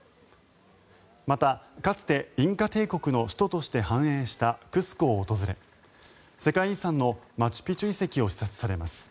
また、かつてインカ帝国の首都として繁栄したクスコを訪れ世界遺産のマチュピチュ遺跡を視察されます。